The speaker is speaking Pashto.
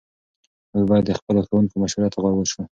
موږ باید د خپلو ښوونکو مشورو ته غوږ سو.